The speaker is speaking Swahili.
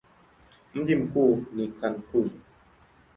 Mji mkuu ni Cankuzo.